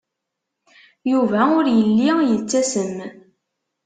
Yuba ur yelli yettasem.